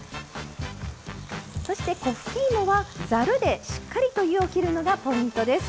そして粉ふきいもはざるでしっかりと湯をきるのがポイントです。